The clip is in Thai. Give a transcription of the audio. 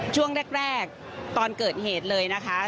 ช่วงแรกตอนเกิดเหตุเลยนะคะ